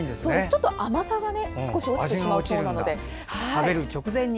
ちょっと甘さが少し落ちてしまうそうなので。